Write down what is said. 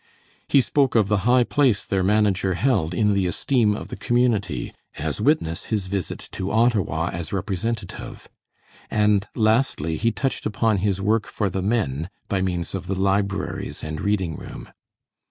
He spoke of the high place their manager held in the esteem of the community as witness his visit to Ottawa as representative, and lastly he touched upon his work for the men by means of the libraries and reading room.